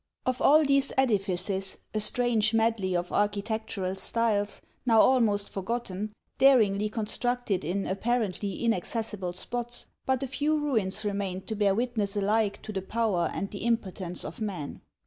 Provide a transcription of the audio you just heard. Of all these edifices — a strange medley of architectural styles, now almost forgotten, daringly constructed in apparently inac cessible spots — but a few ruins remained to bear witness alike to the power and the impotence of man.